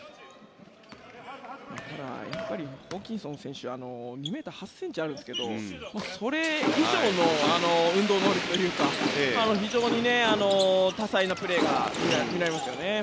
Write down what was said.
ただ、ホーキンソン選手は２ｍ８ｃｍあるんですけどそれ以上の運動能力というか非常に多彩なプレーが見られますよね。